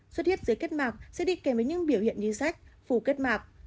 xuất huyết dưới kết mạc sẽ đi kèm với những biểu hiện như rách phù kết mạc